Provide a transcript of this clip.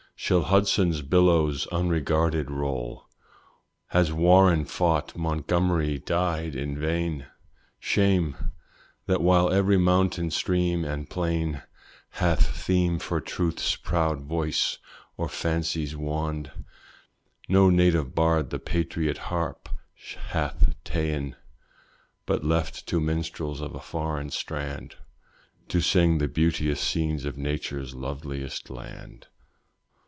Shall Hudson's billows unregarded roll? Has Warren fought, Montgomery died in vain? Shame! that while every mountain stream and plain Hath theme for truth's proud voice or fancy's wand, No native bard the patriot harp hath ta'en, But left to minstrels of a foreign strand To sing the beauteous scenes of nature's loveliest land.